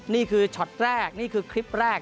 นี่คือช็อตแรกนี่คือคลิปแรก